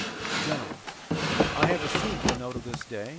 GENERAL: I have received your note of this day.